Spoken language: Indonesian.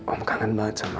om kangen banget sama kamu